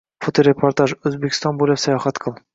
Fotoreportaj: «O‘zbekiston bo‘ylab sayohat qil!»